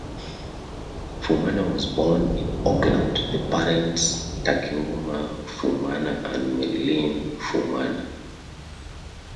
Fuemana was born in Auckland, to parents Takiula Fuemana and Merelyn Fuemana.